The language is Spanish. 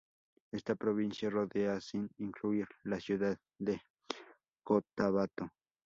Esta provincia rodea, sin incluir, la ciudad de Cotabato.